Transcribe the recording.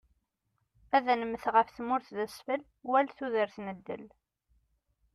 Ad nemmet ɣef tmurt d asfel, wal tudert n ddel.